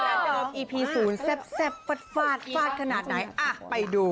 แล้วเจอกันอีพีศูนย์แซ่บฟาดขนาดไหนอ่ะไปดู